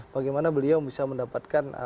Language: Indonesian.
bagaimana beliau bisa mendapatkan